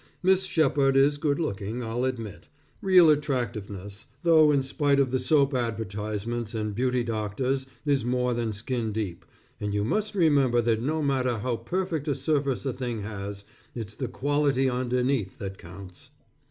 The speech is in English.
Miss Shepard is good looking, I'll admit; real attractiveness though in spite of the soap advertisements and beauty doctors, is more than skin deep, and you must remember that no matter how perfect a surface a thing has, it's the quality underneath that counts.